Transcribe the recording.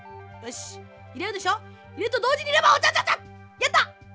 やった！